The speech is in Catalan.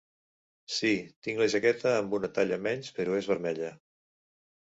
Sí, tinc la jaqueta amb una talla menys, però és vermella.